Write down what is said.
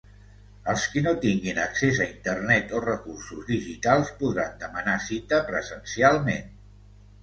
Els qui no tinguin accés a internet o recursos digitals podran demanar cita presencialment.